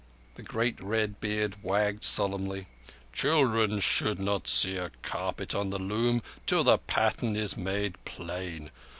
The great red beard wagged solemnly. "Children should not see a carpet on the loom till the pattern is made plain.